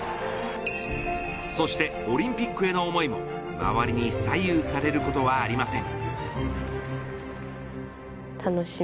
そして、オリンピックへの思いも周りに左右されることはありません。